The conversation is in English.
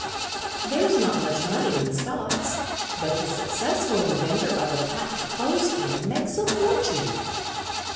"There's not much money in stocks, but the successful inventor of a patent clothes pin makes a fortune."